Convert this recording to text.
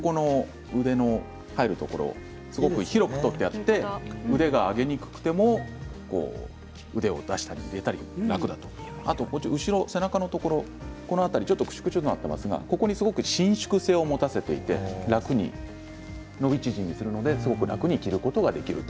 腕の入るところ広く取ってあって腕が上げにくくても腕を出したり入れたり楽だと背中のところくしゅくしゅっとなっていますが伸縮性を持たせていて伸び縮みするので楽に着ることができます。